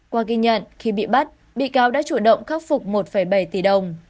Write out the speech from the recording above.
qua ghi nhận khi bị bắt bị cáo đã chủ động khắc phục một bảy tỷ đồng